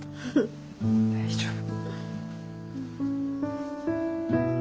大丈夫。